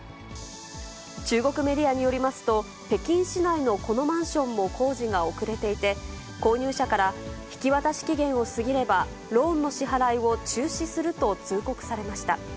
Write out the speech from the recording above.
中国メディアによりますと、北京市内のこのマンションも工事が遅れていて、購入者から引き渡し期限を過ぎればローンの支払いを中止すると通告されました。